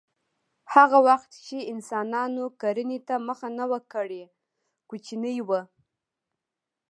هغه وخت چې انسانانو کرنې ته مخه نه وه کړې کوچني وو